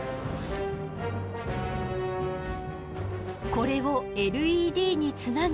これをＬＥＤにつなげると。